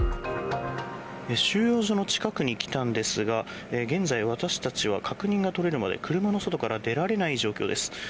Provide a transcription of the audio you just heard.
収容所の近くに来たんですが現在、私たちは確認が取れるまで車の外から出られない状況です。